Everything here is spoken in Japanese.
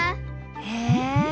へえ。